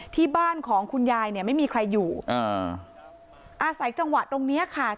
ที่บ้านของคุณยายเนี่ยไม่มีใครอยู่อ่าอาศัยจังหวะตรงเนี้ยค่ะ